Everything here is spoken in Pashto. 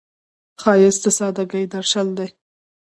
ښایست د سادګۍ درشل دی